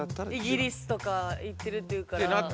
イギリスとか行ってるっていうから。